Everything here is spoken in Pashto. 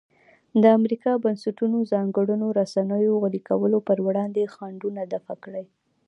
د امریکا بنسټونو ځانګړنو رسنیو غلي کولو پر وړاندې خنډونه دفع کړي.